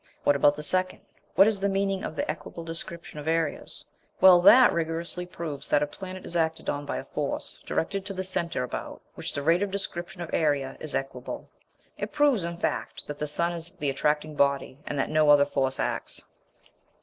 What about the second? What is the meaning of the equable description of areas? Well, that rigorously proves that a planet is acted on by a force directed to the centre about which the rate of description of areas is equable. It proves, in fact, that the sun is the attracting body, and that no other force acts.